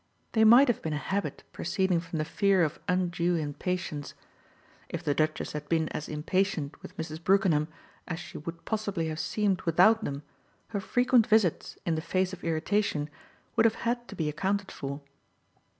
They might have been a habit proceeding from the fear of undue impatience. If the Duchess had been as impatient with Mrs. Brookenham as she would possibly have seemed without them her frequent visits in the face of irritation would have had to be accounted for.